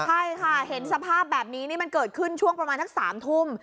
ใช่ค่ะเห็นสภาพแบบนี้นี่มันเกิดขึ้นช่วงประมาณสัก๓ทุ่ม